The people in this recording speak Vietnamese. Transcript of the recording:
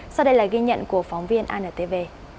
sau đây là ghi nhận của phóng viên antv